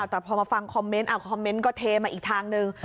แต่พอมาฟังคอมเมนต์คอมเมนต์ก็เทมาอีกทางนึง